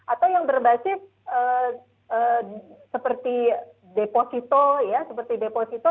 atau yang berbasis seperti deposito ya seperti deposito